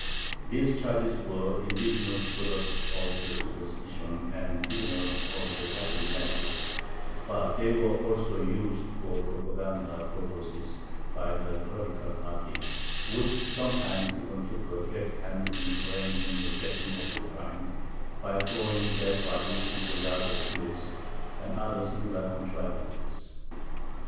These charges were the indigenous product of the superstition and ignorance of the Catholic masses, but they were also used for propaganda purposes by the clerical party, which sometimes even took a direct hand in arranging the setting of the crime, by throwing dead bodies into the yards of Jews, and other similar contrivances.